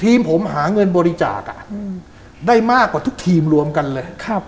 ทีมผมหาเงินบริจาคได้มากกว่าทุกทีมรวมกันเลย